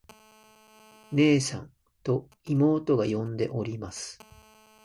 「ねえさん。」と妹が呼んでおります。